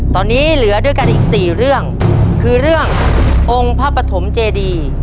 ตอนนี้เหลือด้วยกันอีกสี่เรื่องคือเรื่ององค์พระปฐมเจดี